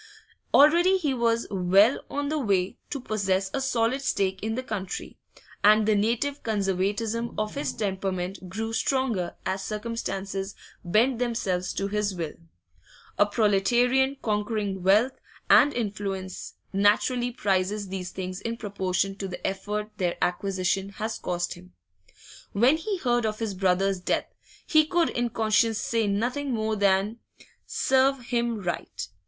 Already he was well on the way to possess a solid stake in the country, and the native conservatism of his temperament grew stronger as circumstances bent themselves to his will; a proletarian conquering wealth and influence naturally prizes these things in proportion to the effort their acquisition has cost him. When he heard of his brother's death, he could in conscience say nothing more than 'Serve him right!